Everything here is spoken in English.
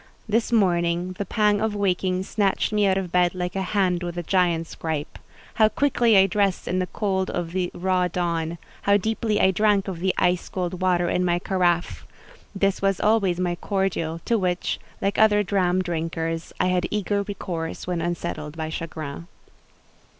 This morning the pang of waking snatched me out of bed like a hand with a giant's gripe. How quickly I dressed in the cold of the raw dawn! How deeply I drank of the ice cold water in my carafe! This was always my cordial, to which, like other dram drinkers, I had eager recourse when unsettled by chagrin.